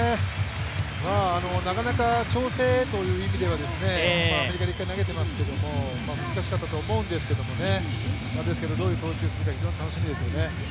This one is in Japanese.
なかなか調整という意味では、アメリカで１回投げていますけど、難しかったと思うんですけど、ですけどどういう投球をするか楽しみですね。